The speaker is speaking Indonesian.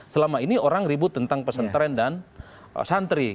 selama ini orang ribut tentang pesantren dan santri